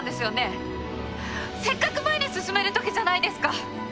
せっかく前に進めるときじゃないですか。